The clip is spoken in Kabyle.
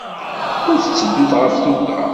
Ur tteddut ɣef tuga.